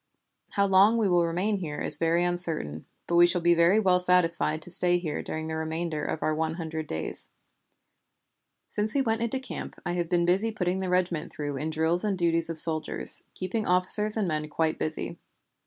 "How long we will remain here is very uncertain, but we shall be very well satisfied to stay here during the remainder of our one hundred days. Since we went into camp I have been putting the regiment through in drill and duties of soldiers, keeping officers and men quite busy.